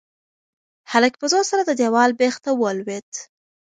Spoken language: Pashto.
هلک په زور سره د دېوال بېخ ته ولوېد.